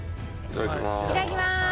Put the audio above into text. いただきます。